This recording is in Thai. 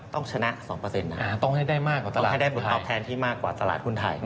ต้องชนะต้องให้ได้มากกว่าตลาดหุ้นไทย